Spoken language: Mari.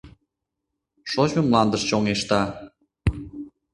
Шочмо мландыш чоҥешта.